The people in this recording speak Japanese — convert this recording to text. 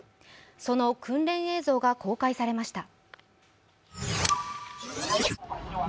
その訓練映像が公開されました。